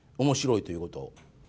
面白いということを。